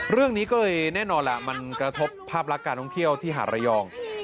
เรื่องนี้ก็เลยแน่นอนล่ะมันกระทบภาพลักษณ์การท่องเที่ยวที่หาดระยอง